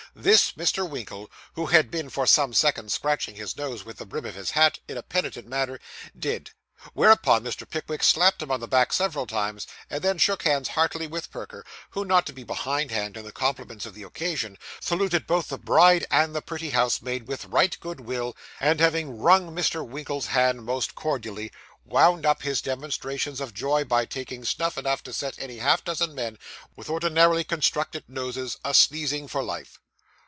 This, Mr. Winkle, who had been for some seconds scratching his nose with the brim of his hat, in a penitent manner, did; whereupon Mr. Pickwick slapped him on the back several times, and then shook hands heartily with Perker, who, not to be behind hand in the compliments of the occasion, saluted both the bride and the pretty housemaid with right good will, and, having wrung Mr. Winkle's hand most cordially, wound up his demonstrations of joy by taking snuff enough to set any half dozen men with ordinarily constructed noses, a sneezing for life.